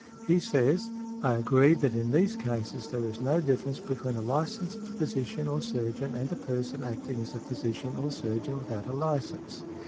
He says, "I agree that in these cases there is no difference between a licensed physician or surgeon and a person acting as a physician or surgeon without a license.